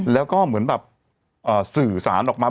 แล้วก็เหมือนแบบสื่อสารออกมา